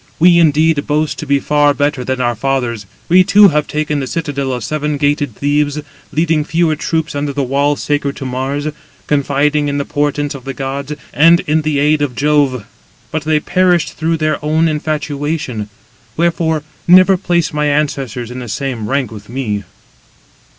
We, indeed, boast to be far better than our fathers. We too have taken the citadel of seven gated Thebes, leading fewer troops under the wall sacred to Mars, confiding in the portents of the gods, and in the aid of Jove: but they perished through their own infatuation. Wherefore, never place my ancestors in the same rank with me."